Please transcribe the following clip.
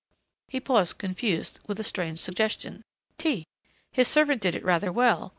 He paused confused with a strange suggestion.... Tea.... His servant did it rather well....